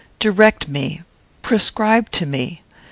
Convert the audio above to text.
Direct me; prescribe to me.